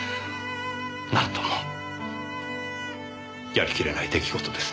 なんともやりきれない出来事ですね。